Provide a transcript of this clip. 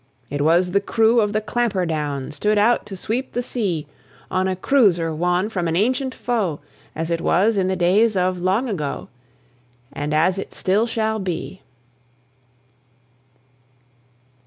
It was the crew of the Clampherdown Stood out to sweep the sea, On a cruiser won from an ancient foe, As it was in the days of long ago, And as it still shall be.